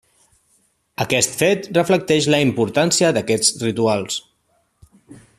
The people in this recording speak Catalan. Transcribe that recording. Aquest fet reflecteix la importància d’aquests rituals.